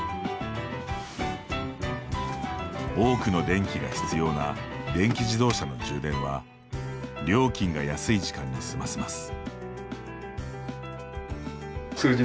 多くの電気が必要な電気自動車の充電は料金が安い時間に済ませます。